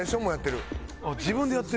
「自分でやってる」